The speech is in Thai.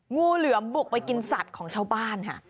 งูเหลือมบุกไปกินสัตว์ของชาวบ้านค่ะ